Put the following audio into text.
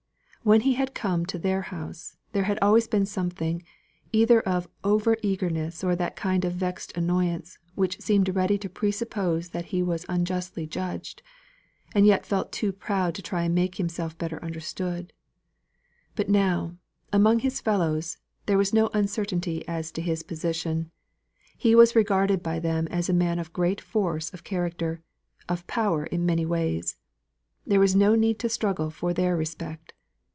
When he had come to their house, there had been always something, either of over eagerness or of that kind of vexed annoyance which seemed ready to pre suppose that he was unjustly judged, and yet felt too proud to try and make himself better understood. But now, among his fellows, there was no uncertainty as to his position. He was regarded by them as a man of great force of character; of power in many ways. There was no need to struggle for their respect.